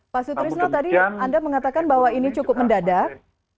pak sutrisno tadi anda mengatakan bahwa ini cukup mendadak